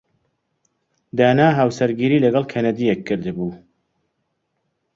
دانا هاوسەرگیریی لەگەڵ کەنەدییەک کردبوو.